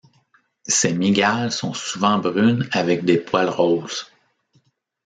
Ces mygales sont souvent brunes avec des poils roses.